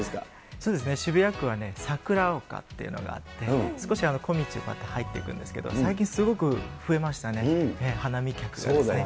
そうですね、渋谷区はね、さくらおかというのがあって、少し小道を入っていくんですけれども、最近すごく増えましたね、花見客とかですね。